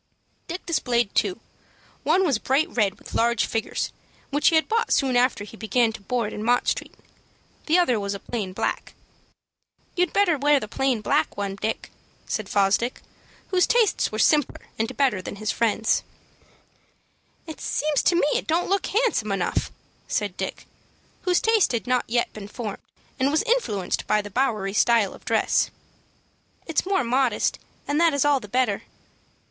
Dick displayed two. One was bright red with large figures, which he had bought soon after he began to board in Mott Street. The other was a plain black. "You'd better wear the black one, Dick," said Fosdick, whose taste was simpler and better than his friend's. "It seems to me it don't look handsome enough," said Dick, whose taste had not yet been formed, and was influenced by the Bowery style of dress. "It's more modest, and that is all the better."